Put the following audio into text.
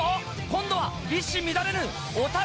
今度は一糸乱れぬヲタ